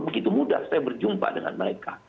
begitu mudah saya berjumpa dengan mereka